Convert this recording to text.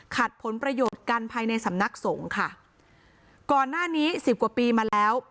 ผลประโยชน์กันภายในสำนักสงฆ์ค่ะก่อนหน้านี้สิบกว่าปีมาแล้ว